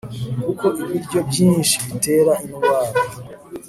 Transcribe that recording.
kuko ibiryo byinshi bitera indwara